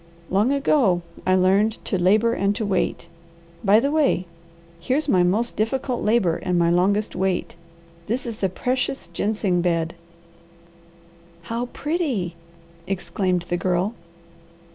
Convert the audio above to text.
Long ago I learned to 'labour and to wait.' By the way here's my most difficult labour and my longest wait. This is the precious gingseng bed." "How pretty!" exclaimed the Girl.